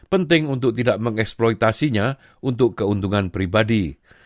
penting untuk tidak mengeksploitasinya untuk keuntungan pribadi